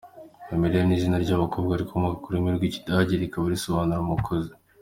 Amelie ni izina ry’abakobwa rikomoka ku rurimi rw’Ikidage rikaba risobanura “Umukozi”.